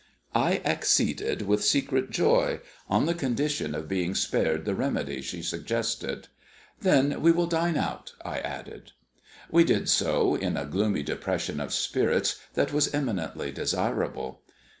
I acceded with secret joy, on the condition of being spared the remedy she suggested. "Then we will dine out," I added. We did so, in a gloomy depression of spirits that was eminently desirable.